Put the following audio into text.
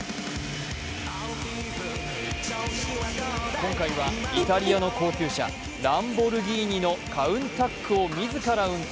今回はイタリアの高級車ランボルギーニのカウンタックを自ら運転。